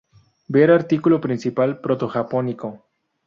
Ver artículo principal Proto-japónico